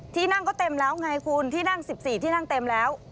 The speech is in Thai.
ที่นั่งก็เต็มแล้วไงคุณที่นั่ง๑๔ที่นั่งเต็มแล้ว